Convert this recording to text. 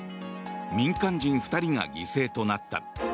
民間人２人が犠牲となった。